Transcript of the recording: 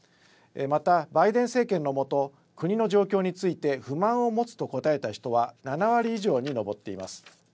またバイデン政権のもと、国の状況について不満を持つと答えた人は７割以上に上っています。